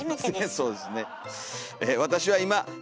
そうですね。